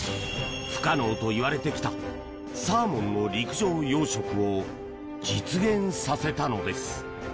不可能といわれてきたサーモンの陸上養殖を実現させたのです。